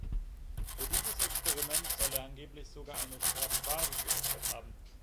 Für dieses Experiment soll er angeblich sogar eine Stradivari geopfert haben.